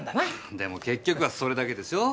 でも結局はそれだけでしょう？